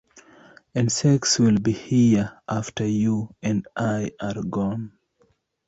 And sex will be here after you and I are gone.